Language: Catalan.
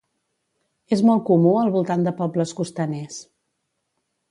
És molt comú al voltant de pobles costaners.